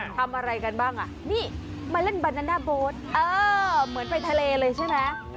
ทำอะไรกันบ้างอ่ะนี่มาเล่นบานาน่าโบ๊ทเหมือนไปทะเลเลยใช่ไหม